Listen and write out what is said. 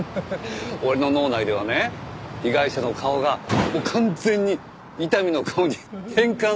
俺の脳内ではね被害者の顔が完全に伊丹の顔に変換されちゃってるんですよ。